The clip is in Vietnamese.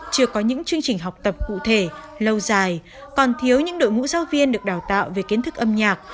chưa có những chương trình học tập cụ thể lâu dài còn thiếu những đội ngũ giáo viên được đào tạo về kiến thức âm nhạc